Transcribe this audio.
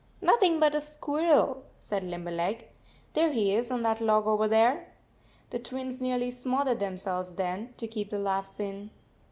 "Nothing but a squirrel," said Limber leg. "There he is on that log over there." The Twins nearly smothered themselves then, to keep the laughs in.